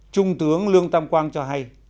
trung tướng lương tam quang cho hay